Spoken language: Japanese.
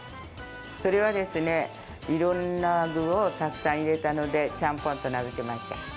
それはですね、いろんな具をたくさん入れたのでチャンポンと名付けました。